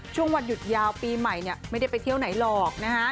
ช่วงวันหยุดยาวปีใหม่ไม่ได้ไปเที่ยวไหนหรอกนะฮะ